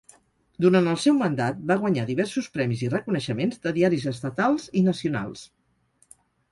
Durant el seu mandat, va guanyar diversos premis i reconeixements de diaris estatals i nacionals.